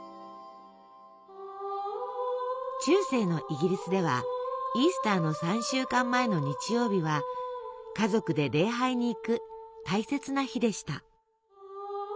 中世のイギリスではイースターの３週間前の日曜日は家族で礼拝に行く大切な日でした。